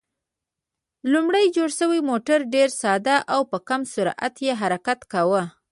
لومړی جوړ شوی موټر ډېر ساده و او په کم سرعت یې حرکت کاوه.